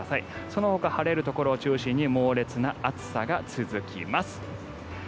そのほか晴れるところを中心に猛烈な暑さが続きます。